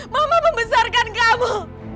mama membesarkan kamu